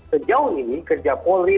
sejauh ini kerja polri